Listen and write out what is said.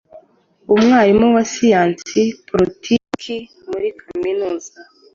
umwarimu wa siyansi politiki muri kaminuza